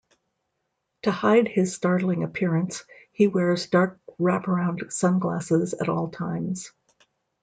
To hide his startling appearance, he wears dark wrap-around sunglasses at all times.